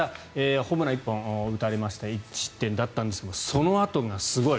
ホームラン１本打たれまして１失点だったんですがそのあとがすごい。